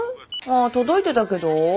あ届いてたけど。